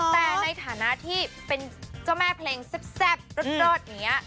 แต่ในฐานะที่เป็นเจ้าแม่เพลงแซ่บรอดอย่างนี้